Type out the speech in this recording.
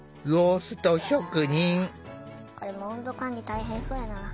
これも温度管理大変そうやな。